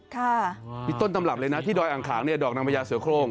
ค่ะมีต้นตำรับเลยนะที่ดอยอ่างขางเนี่ยดอกนางพญาเสือโครง